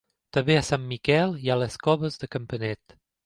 També a Sant Miquel hi ha les Coves de Campanet.